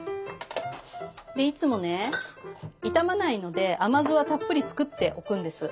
でいつもね傷まないので甘酢はたっぷり作っておくんです。